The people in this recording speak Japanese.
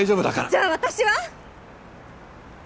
じゃあ私は！？